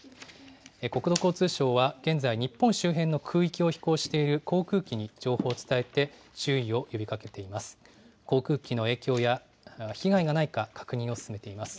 国土交通省は現在、日本周辺の空域を飛行している航空機に情報を伝えて、注意を呼びかけています。